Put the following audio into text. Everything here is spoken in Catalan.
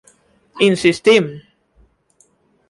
Insistim!